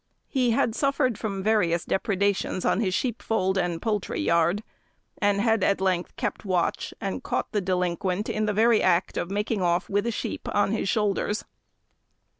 He had suffered from various depredations on his sheep fold and poultry yard, and had at length kept watch, and caught the delinquent in the very act of making off with a sheep on his shoulders.